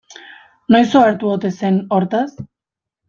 Noiz ohartu ote zen hortaz?